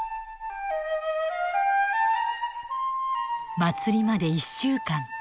祭りまで１週間。